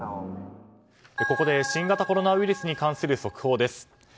ここで新型コロナウイルスに関する速報です。